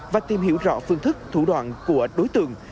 và tìm hiểu rõ phương thức thủ đoạn của đối tượng